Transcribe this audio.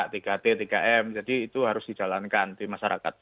tiga t tiga m jadi itu harus dijalankan di masyarakat